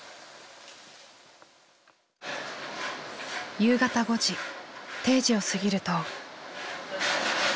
夕方５時定時を過ぎると。